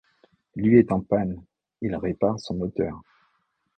Lui est en panne, il répare son moteur.